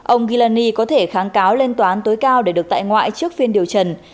ông gillani có thể kháng cáo lên tòa án tối cao để được tại ngoại trước phiên điều trần